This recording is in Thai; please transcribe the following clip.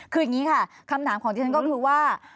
คืออย่างนี้ค่ะคำถามของที่ฉันก็คือว่า